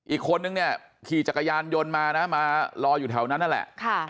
อีกคนนึงเนี่ยขี่จักรยานยนต์มานะมารออยู่แถวนั้นนั่นแหละ